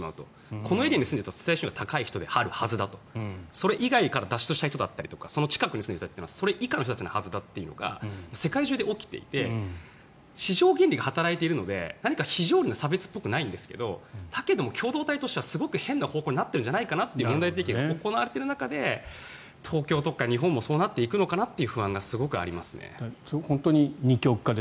このエリアに住んでいる人は収入が高い人であるはずだとそれ以外から脱出した人であったりその近くに住んでいる人たちはそれ以下の人たちのはずだというのが世界中で起きていて市場原理が働いているので非条理な差別っぽくないんですけどだけど、共同体としてはすごく変な方向になってるんじゃないかなという問題提起が行われている中で東京とか日本もそうなっていくのかなという不安がありますね。